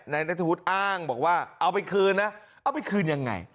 นัทธวุฒิอ้างบอกว่าเอาไปคืนนะเอาไปคืนยังไง